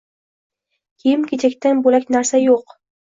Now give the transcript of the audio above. Kiyim-kechakdan bo'lak narsa yo’q.